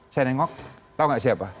saya nengok tau gak siapa